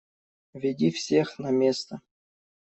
Веди всех на место.